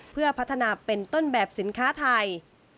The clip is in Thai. เพื่อพัฒนาเป็นต้นแบบสินค้าไทย